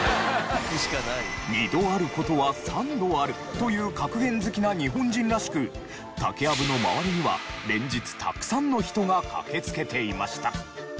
という格言好きな日本人らしく竹やぶの周りには連日たくさんの人が駆けつけていました。